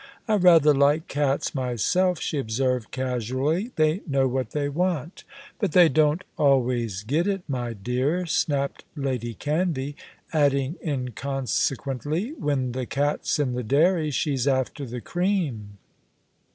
"I rather like cats myself," she observed casually. "They know what they want." "But they don't always get it, my dear," snapped Lady Canvey; adding inconsequently, "when the cat's in the dairy, she's after the cream."